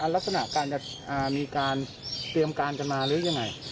ลักษณะการจะมีการเตรียมการกันมาหรือยังไง